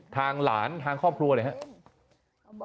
ทางหลานทางครอบครัวเลยครับ